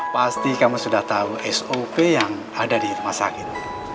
pasti kamu sudah tahu sop yang ada di rumah sakit